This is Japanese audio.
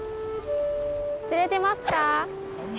釣れてますか？